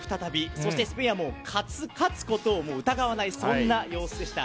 そしてスペインは勝つことを疑わないそんな様子でした。